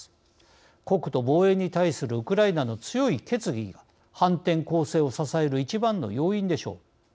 国土防衛に対するウクライナの強い決意が反転攻勢を支える一番の要因でしょう。